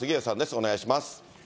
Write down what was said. お願いします。